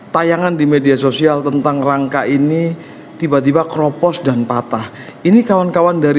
tayangan di media sosial tentang rangka ini tiba tiba kropos dan patah ini kawan kawan dari